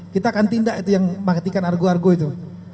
kita akan tindak yang mematikan argo argo itu